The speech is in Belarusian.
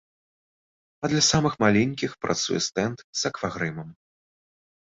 А для самых маленькіх працуе стэнд з аквагрымам.